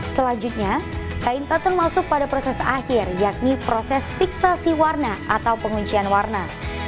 selanjutnya kain pattern masuk pada proses akhir yakni proses piksasi warna atau penguncian warna